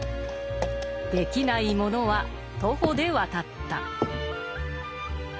できない者は徒歩で渡った。